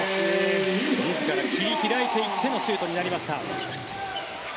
自ら切り開いていってのシュートとなりました。